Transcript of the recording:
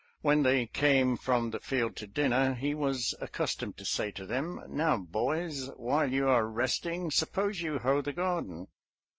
When they came from the field to dinner, he was accus tomed to say to them, " Now, boys, while you are resting, suppose you hoe the garden."